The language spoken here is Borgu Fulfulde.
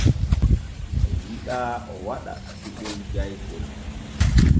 O yiɗaa o waɗa cuɓol jaykol.